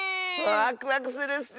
ワクワクするッス！